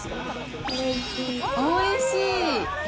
おいしい！